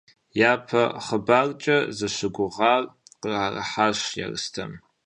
Япэ хъыбаркӏэ зыщыгугъар къыӏэрыхьащ Ерстэм.